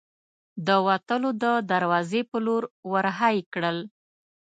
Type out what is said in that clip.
د وتلو د دراوزې په لور ور هۍ کړل.